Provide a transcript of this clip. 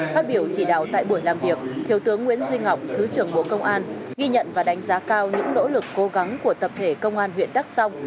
phát biểu chỉ đạo tại buổi làm việc thiếu tướng nguyễn duy ngọc thứ trưởng bộ công an ghi nhận và đánh giá cao những nỗ lực cố gắng của tập thể công an huyện đắk song